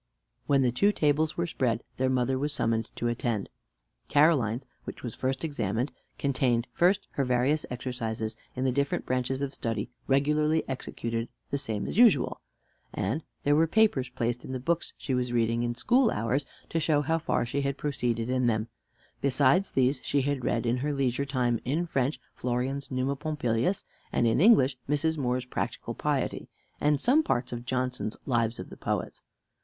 When the two tables were spread, their mother was summoned to attend. Caroline's, which was first examined, contained, first, her various exercises in the different branches of study, regularly executed the same as usual. And there were papers placed in the books she was reading in school hours, to show how far she had proceeded in them. Besides these, she had read in her leisure time, in French, Florian's "Numa Pompilius," and in English, Mrs. More's "Practical Piety," and some part of Johnson's "Lives of the Poets."